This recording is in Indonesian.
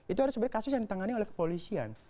itu adalah sebenarnya kasus yang ditangani oleh kepolisian